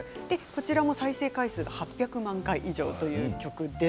こちらも再生回数８００万回以上という曲です。